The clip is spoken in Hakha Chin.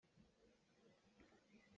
Mi ṭha nih ramchung an nomhter.